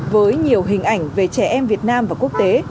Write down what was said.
với nhiều hình ảnh về trẻ em việt nam và quốc tế